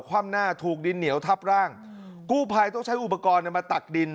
ว่ำหน้าถูกดินเหนียวทับร่างกู้ภัยต้องใช้อุปกรณ์เนี่ยมาตักดิน